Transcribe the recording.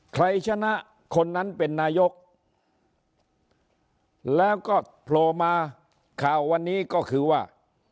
ใครชนะคนนั้นเป็นนายกแล้วก็โผล่มาข่าววันนี้ก็คือว่า